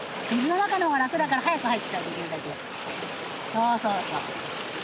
そうそうそう。